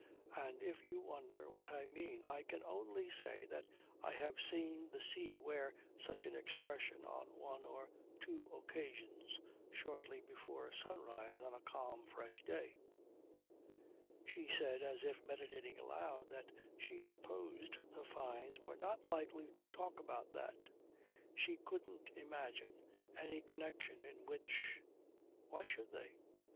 And if you wonder what I mean I can only say that I have seen the sea wear such an expression on one or two occasions shortly before sunrise on a calm, fresh day. She said as if meditating aloud that she supposed the Fynes were not likely to talk about that. She couldn't imagine any connection in which ... Why should they?